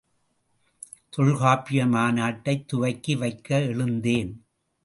தொல்காப்பிய மாநாட்டை துவக்கி வைக்க எழுந்தேன்.